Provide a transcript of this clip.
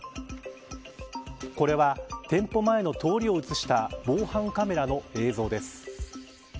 これは店舗前の通りを映した防犯カメラの映像です。